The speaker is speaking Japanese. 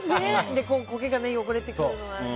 で、コケが汚れてくるのがね。